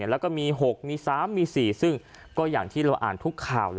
แล้วก็มี๖มี๓มี๔ซึ่งก็อย่างที่เราอ่านทุกข่าว